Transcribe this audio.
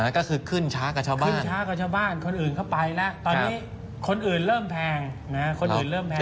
ก็คือขึ้นช้ากับชาวบ้านขึ้นช้ากว่าชาวบ้านคนอื่นเข้าไปแล้วตอนนี้คนอื่นเริ่มแพงคนอื่นเริ่มแพง